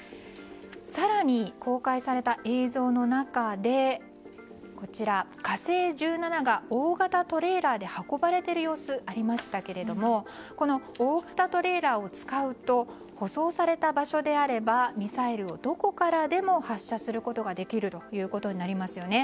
更に公開された映像の中で「火星１７」が大型トレーラーで運ばれている様子がありましたけども大型トレーラーを使うと舗装された場所であればミサイルをどこからでも発射することができるとなりますよね。